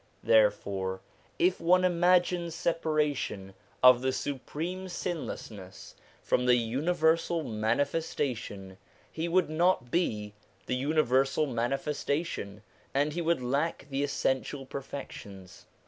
Therefore if one imagines separation of the Supreme Sinlessness from the universal Manifestation, he would not be the universal Manifestation, and he would lack the essen tial perfections.